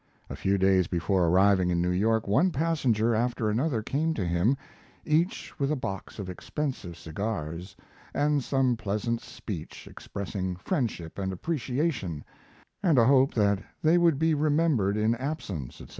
A few days before arriving in New York one passenger after another came to him, each with a box of expensive cigars, and some pleasant speech expressing friendship and appreciation and a hope that they would be remembered in absence, etc.